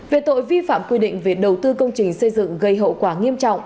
về tội vi phạm quy định về đầu tư công trình xây dựng gây hậu quả nghiêm trọng